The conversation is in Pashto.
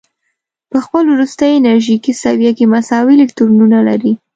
په خپل وروستي انرژیکي سویه کې مساوي الکترونونه لري.